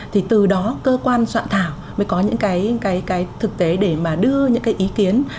thì từ đó cơ quan soạn thảo mới có những thực tế để đưa những ý kiến